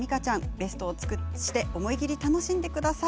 ベストを尽くして思い切り楽しんでください。